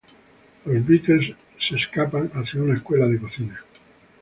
The Beatles se escapan hacia una escuela de cocina.